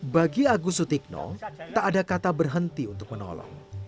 bagi agus sutikno tak ada kata berhenti untuk menolong